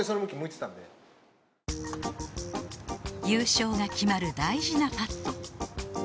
優勝が決まる大事なパット。